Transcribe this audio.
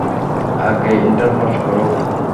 আগে inter pass করো।